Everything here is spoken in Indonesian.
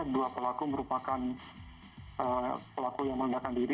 dua pelaku merupakan pelaku yang meledakan diri